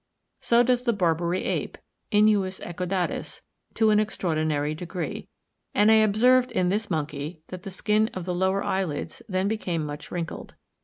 So does the Barbary ape (Inuus ecaudatus) to an extraordinary degree; and I observed in this monkey that the skin of the lower eyelids then became much wrinkled.